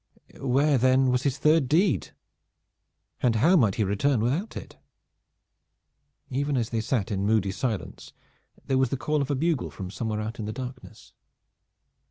Where then was his third deed, and how might he return without it? Even as they sat in moody silence there was the call of a bugle from somewhere out in the darkness.